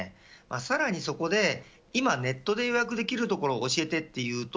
さらに、そこで今、ネットで予約できるところを教えてと言うと